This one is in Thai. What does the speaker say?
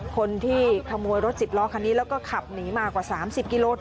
คนที่ขโมยรถ๑๐ล้อคันนี้แล้วก็ขับหนีมากว่า๓๐กิโล